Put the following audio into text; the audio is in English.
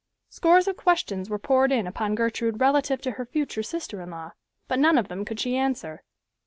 Scores of questions were poured in upon Gertrude relative to her future sister in law, but none of them could she answer.